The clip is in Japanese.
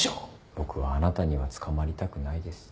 僕はあなたには捕まりたくないです。